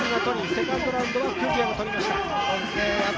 セカンドラウンドはＫｕｚｙａが取りました。